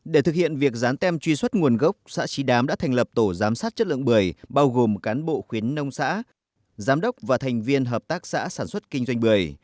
để thực hiện việc dán tem truy xuất nguồn gốc xã trí đám đã thành lập tổ giám sát chất lượng bưởi bao gồm cán bộ khuyến nông xã giám đốc và thành viên hợp tác xã sản xuất kinh doanh bưởi